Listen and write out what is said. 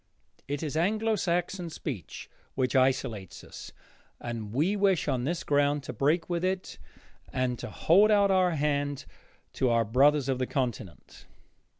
It is Anglo Saxon speech which isolates us, and we wish on this ground to break with it and to hold out our hand to our brothers of the continent.